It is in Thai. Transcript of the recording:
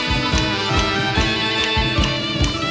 กลับไปที่นี่